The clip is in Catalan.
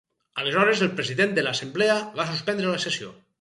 Aleshores el president de l’assemblea va suspendre la sessió.